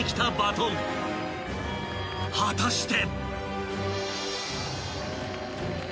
［果たして⁉］